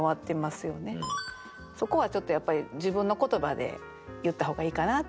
そこはちょっとやっぱり自分の言葉で言った方がいいかなって。